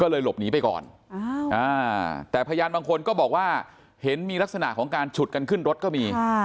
ก็เลยหลบหนีไปก่อนแต่พยานบางคนก็บอกว่าเห็นมีลักษณะของการฉุดกันขึ้นรถก็มี